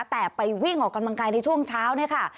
แต่ไปวิ่งออกกำลังกายในช่วงเช้าเนี่ยค่ะ